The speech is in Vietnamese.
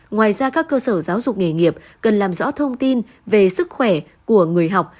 ngoài ra các cơ sở giáo dục nghề nghiệp cần làm rõ thông tin về sức khỏe của người học